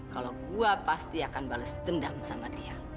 kalau gue pasti akan bales dendam sama dia